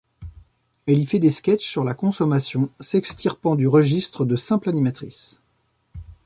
Elle y fait des sketchs sur la consommation, s'extirpant du registre de simple animatrice.